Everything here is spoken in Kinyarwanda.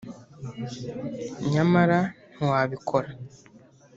nyamara ntiwabikora